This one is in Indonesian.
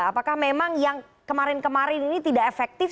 apakah memang yang kemarin kemarin ini tidak efektif